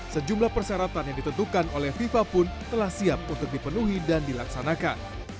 sejumlah persyaratan yang ditentukan oleh fifa pun telah siap untuk dipenuhi dan dilaksanakan